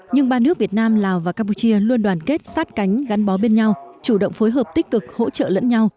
nhưng ba nước việt nam lào và campuchia luôn đoàn kết sát cánh gắn bó bên nhau chủ động phối hợp tích cực hỗ trợ lẫn nhau